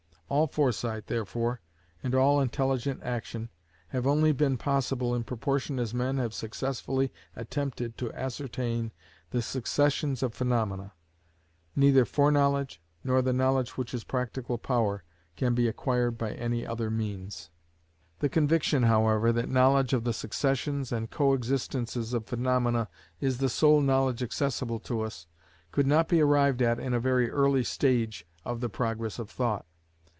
All foresight, therefore, and all intelligent action, have only been possible in proportion as men have successfully attempted to ascertain the successions of phaenomena. Neither foreknowledge, nor the knowledge which is practical power, can be acquired by any other means. The conviction, however, that knowledge of the successions and co existences of phaenomena is the sole knowledge accessible to us, could not be arrived at in a very early stage of the progress of thought.